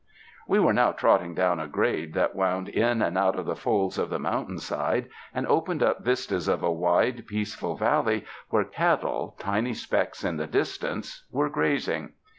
We were now trotting down a grade that wound in and out of the folds of the mountain side, and opened up vistas of a wide, peaceful valley, where cattle, tiny specks in the distance, were grazing.